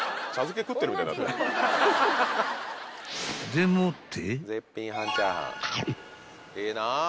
［でもって］